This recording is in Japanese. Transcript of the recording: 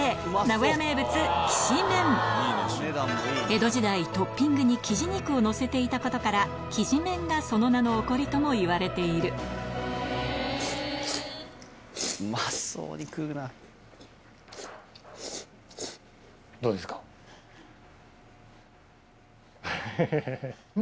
江戸時代トッピングにきじ肉をのせていたことから「きじ麺」がその名の起こりともいわれているハハハ。